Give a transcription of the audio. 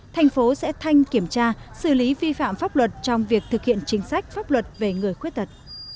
thành phố sẽ thanh kiểm tra xử lý vi phạm pháp luật trong việc thực hiện chính sách pháp luật về người khuyết tật